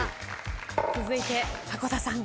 続いて迫田さん。